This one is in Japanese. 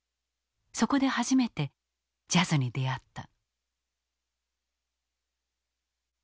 そこで初めてジャズに出会った。